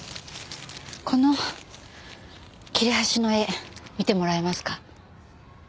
この切れ端の絵見てもらえますか？